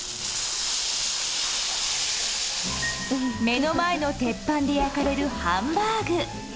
目の前の鉄板で焼かれるハンバーグ。